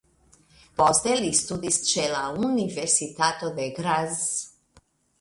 Poste li studis ĉe la Universitato de Graz.